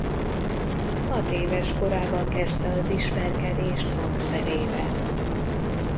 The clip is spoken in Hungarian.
Hatéves korában kezdte az ismerkedést hangszerével.